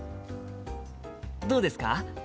どうですか？